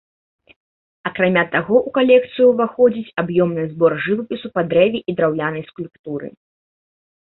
Акрамя таго ў калекцыю ўваходзіць аб'ёмны збор жывапісу па дрэве і драўлянай скульптуры.